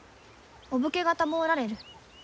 お武家方もおられる。